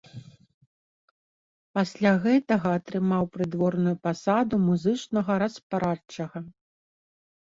Пасля гэтага атрымаў прыдворную пасаду музычнага распарадчага.